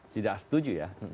tidak setuju ya